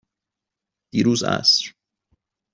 دیروز عصر.